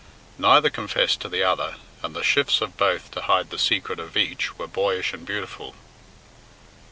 Neither confessed to the other, and the shifts of both to hide the secret of each were boyish and beautiful.